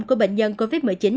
của bệnh nhân covid một mươi chín